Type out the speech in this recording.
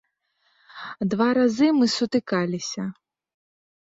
Два разы мы сутыкаліся.